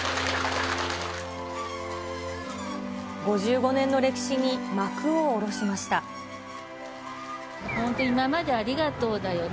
５５年の歴史に幕を下ろしま本当に今までありがとうだよね。